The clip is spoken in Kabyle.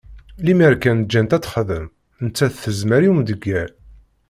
Lemmer kan ǧǧan-tt ad texdem, nettat tezmer i umdegger.